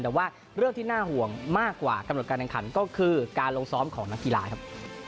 แต่ว่าเรื่องที่น่าห่วงมากกว่ากำหนดการแข่งขันก็คือการลงซ้อมของนักกีฬาครับ